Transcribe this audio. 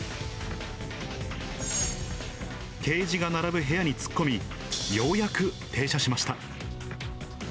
ケージが並ぶ部屋に突っ込み、ようやく停車しました。